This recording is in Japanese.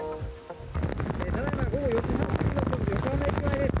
ただいま午後４時半過ぎの横浜駅前です。